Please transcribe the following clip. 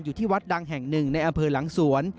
อยู่ที่วัดดังแห่งหนึ่งในอำเภอหลังสวน